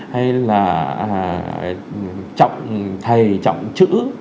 hay là trọng thầy trọng chữ